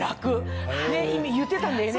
言ってたんだよね？